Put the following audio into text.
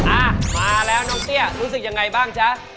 อ่ะมาแล้วน้องเตี้ยรู้สึกยังไงบ้างจ๊ะ